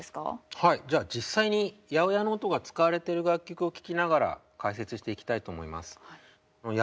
はいじゃあ実際に８０８の音が使われてる楽曲を聴きながら解説していきたいと思います。